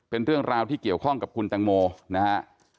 เป็นเรื่องราวที่เกี่ยวข้องกับคุณแตงโมนะฮะ